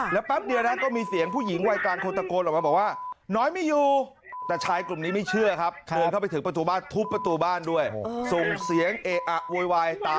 แล้วแป๊บเดียวนะก็มีเสียงผู้หญิงวัยกลางคนตะโกนออกมาบอกว่า